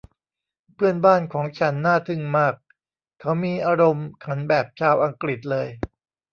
เพื่อนบ้านของฉันน่าทึ่งมาก เขามีอารมณ์ขันแบบชาวอังกฤษเลย